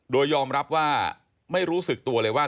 โดยยอมรับว่าไม่รู้สึกตัวเลยว่า